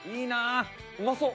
うまそう！